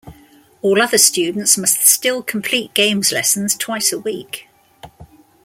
All other students must still complete Games lessons twice a week.